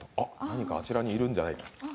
何かあちらにいるんじゃないか。